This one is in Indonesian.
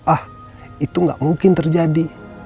ah itu gak mungkin terjadi